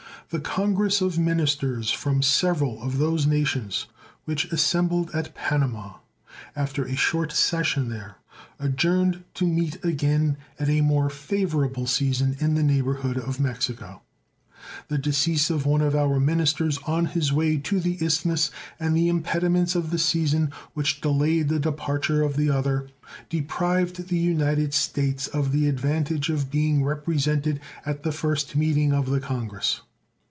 The congress of ministers from several of those nations which assembled at Panama, after a short session there, adjourned to meet again at a more favorable season in the neighborhood of Mexico. The decease of one of our ministers on his way to the Isthmus, and the impediments of the season, which delayed the departure of the other, deprived United States of the advantage of being represented at the first meeting of the congress.